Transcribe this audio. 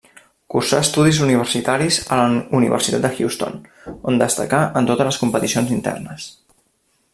Cursà estudis universitaris a la Universitat de Houston, on destacà en totes les competicions internes.